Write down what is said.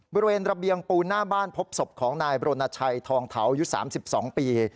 บริเวณระเบียงปูนหน้าบ้านพบศพของนายบรณชัยทองเถาอายุ๓๒ปี